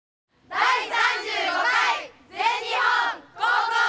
第３５回全日本高校。